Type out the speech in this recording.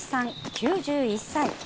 ９１歳。